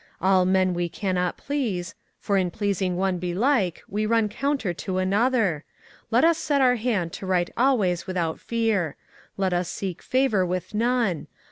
All men we cannot please, for in pleasing one belike we run counter to another. Let us set our hand to write always without fear. Let us seek favour with none.